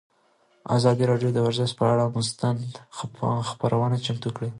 ازادي راډیو د ورزش پر اړه مستند خپرونه چمتو کړې.